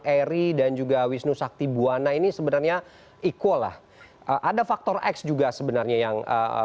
eri dan juga wisnu sakti buwana ini sebenarnya equal lah ada faktor x juga sebenarnya yang